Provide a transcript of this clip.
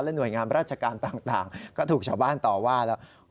หน่วยงานราชการต่างก็ถูกชาวบ้านต่อว่าแล้ว